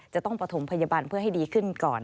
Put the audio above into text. จะต้องประถมพยาบาลเพื่อให้ดีขึ้นก่อน